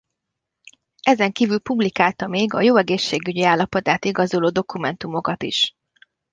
Ezen kívül publikálta még a jó egészségügyi állapotát igazoló dokumentumokat is.